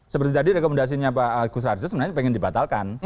seperti tadi rekomendasinya pak agus raharjo sebenarnya ingin dibatalkan